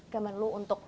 kemen lo untuk